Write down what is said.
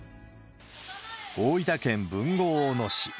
大分県豊後大野市。